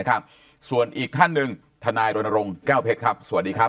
ครับส่วนอีกท่านหนึ่งทนายรณรงค์แก้วเพชรครับสวัสดีครับ